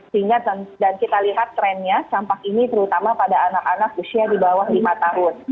sehingga dan kita lihat trennya campak ini terutama pada anak anak usia di bawah lima tahun